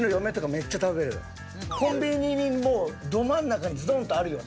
女子コンビニにもうど真ん中にズドンとあるよな？